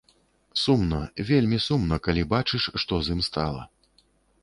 Сумна, вельмі сумна, калі бачыш, што з ім стала.